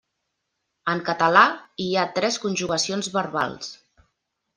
En català hi ha tres conjugacions verbals.